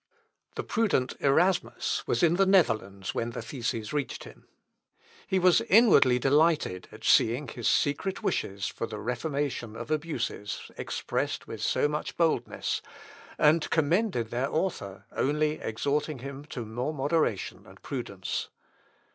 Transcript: The prudent Erasmus was in the Netherlands when the theses reached him. He was inwardly delighted at seeing his secret wishes for the reformation of abuses expressed with so much boldness, and commended their author, only exhorting him to more moderation and prudence.